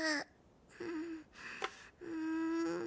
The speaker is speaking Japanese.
うん。